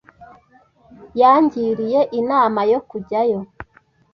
Yangiriye inama yo kujyayo.